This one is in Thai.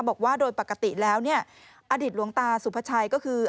บอกว่าโดยปกติแล้วเนี่ยอดีตหลวงตาสุภาชัยก็คือ